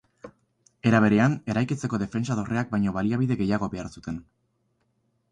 Era berean, eraikitzeko defentsa dorreak baino baliabide gehiago behar zuten.